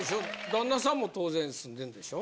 旦那さんも当然住んでるんでしょ？